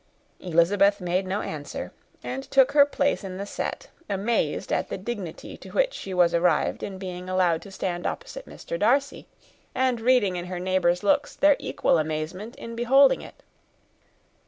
Elizabeth made no answer, and took her place in the set, amazed at the dignity to which she was arrived in being allowed to stand opposite to Mr. Darcy, and reading in her neighbours' looks their equal amazement in beholding it.